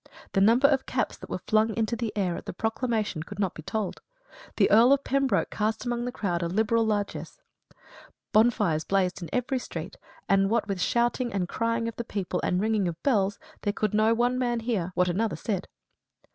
The number of caps that were flung into the air at the proclamation could not be told. The Earl of Pembroke cast among the crowd a liberal largess. Bonfires blazed in every street; and what with shouting and crying of the people, and ringing of bells, there could no one man hear what another said.